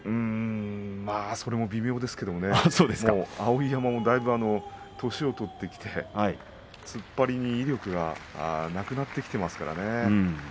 それも微妙ですが碧山も年を取ってきて突っ張りに威力がなくなってきてますからね。